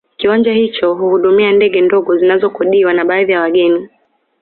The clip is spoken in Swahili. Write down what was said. Kiwanja hicho huhudumia ndege ndogo zinazokodiwa na baadhi ya wageni